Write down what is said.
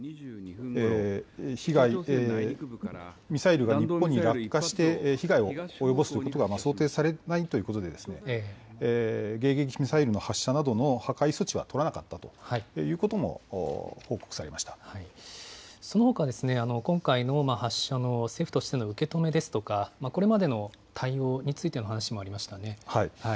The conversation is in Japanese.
ミサイルが日本に落下して被害を及ぼすということが想定されないということで、迎撃ミサイルの発射などの破壊措置は取らなかったそのほか、今回の発射の政府としての受け止めですとか、これまでの対応についての話もありましたね。